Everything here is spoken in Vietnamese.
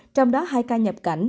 trong đó hai ca nhập cảnh